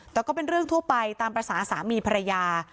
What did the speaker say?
แต่ก็เป็นเรื่องทั่วไปตามภาษาสามีภรรยา